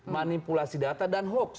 manipulasi data dan hoax